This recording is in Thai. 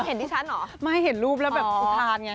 เห็นดิฉันเหรอไม่เห็นรูปแล้วแบบอุทานไง